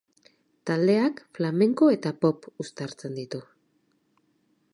Taldeak flamenko eta pop uztartzen ditu.